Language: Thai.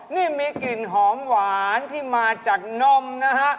นี่มีกลิ่นหอมหวานที่มาจากนมนะฮะ